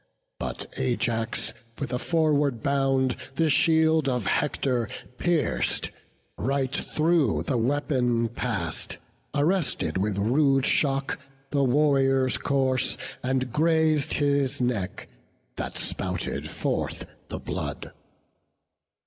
But Ajax, with a forward bound, the shield Of Hector pierc'd; right through the weapon pass'd; Arrested with rude shock the warrior's course, And graz'd his neck, that spouted forth the blood.